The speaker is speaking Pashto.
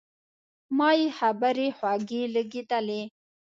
ما یې خبرې خوږې لګېدې.